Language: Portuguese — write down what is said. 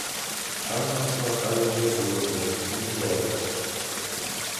Passo na sua casa dia doze às quinze horas.